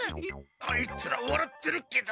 あいつらわらってるけど。